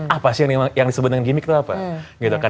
apa sih yang disebutin gimmick itu apa